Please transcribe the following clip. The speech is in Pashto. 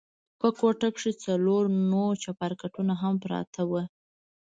په کوټه کښې څلور نور چپرکټونه هم پراته وو.